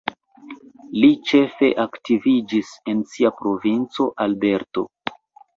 Li ĉefe aktiviĝis en sia provinco Alberto.